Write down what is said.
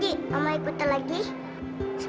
itu yang intentu leslie